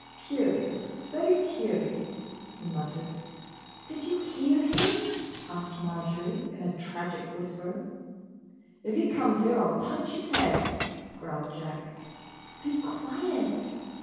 "Curious, very curious," he muttered. "Did you hear him?" asked Marjory, in a tragic whisper. "If he comes here I 'll punch his head," growled Jack. "Be quiet!"